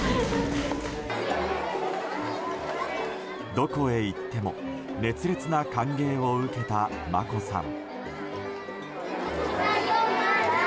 どこへ行っても熱烈な歓迎を受けた眞子さん。